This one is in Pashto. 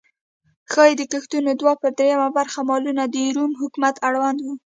ښايي د کښتیو دوه پر درېیمه برخه مالونه د روم حکومت اړوند و